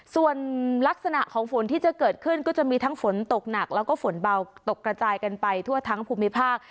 ส่วนลักษณะของฝนที่จะเกิดขึ้นก็จะมีทั้งฝนตกหนักแล้วก็ฝนเบาตกกระจายกันไปทั่วทั้งภูมิภาค